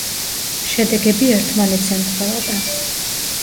შედეგები ერთმანეთს ემთხვეოდა.